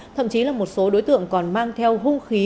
thậm chí là một số đối tượng còn mang theo hung khí